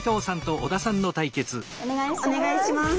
お願いします。